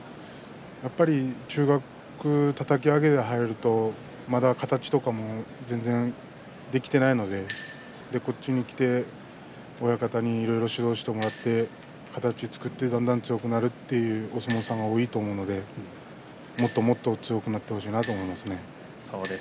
やっぱり中学たたき上げで入るとまだ形とかも、まだ全然できていないのでこっちに来て親方にいろいろ指導してもらって形を作って、だんだん強くなるというお相撲さんが多いと思うのでもっともっと強くなってほしいなと思いますね。